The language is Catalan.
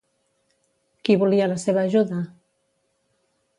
Qui volia la seva ajuda?